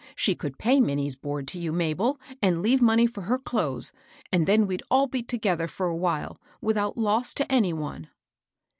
She could pay Minnie's board to you, Mabel, and leave money for her clothes ; and then we'd all be together for a while, without loss to any ^ one."